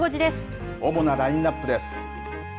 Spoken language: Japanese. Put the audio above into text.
主なラインアップです。